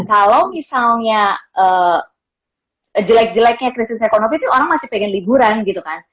kalau misalnya jelek jeleknya krisis ekonomi itu orang masih pengen liburan gitu kan